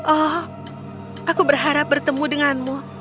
oh aku berharap bertemu denganmu